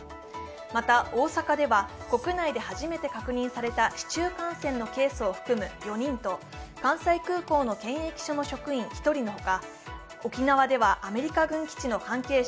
また大阪では国内で初めて確認された市中感染のケースを含む４人と関西空港の検疫所の職員１人のほか沖縄ではアメリカ軍基地の関係者